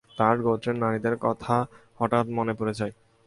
তাঁর গোত্রের নারীদের কথা হঠাৎ মনে পড়ে যায়।